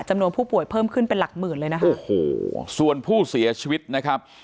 จำนวนผู้ป่วยเพิ่มขึ้นเป็นหลักหมื่นเลยนะคะโอ้โหส่วนผู้เสียชีวิตนะครับ